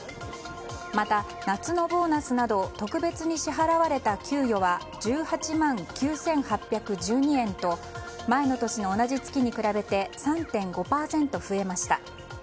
また夏のボーナスなど特別に支払われた給与は１８万９８１２円と前の年の同じ月に比べて３．５％増えました。